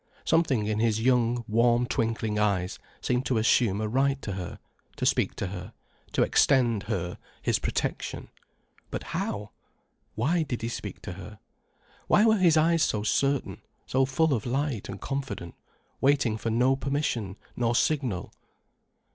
Something in his young, warm twinkling eyes seemed to assume a right to her, to speak to her, to extend her his protection. But how? Why did he speak to her? Why were his eyes so certain, so full of light and confident, waiting for no permission nor signal?